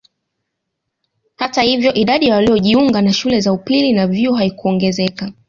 Hata hivyo idadi ya waliojiunga na shule za upili na vyuo haikuongezeka